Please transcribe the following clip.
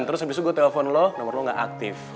terus abis itu gue telepon lo nomor lo gak aktif